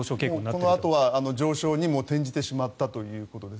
このあとは上昇に転じてしまったということです。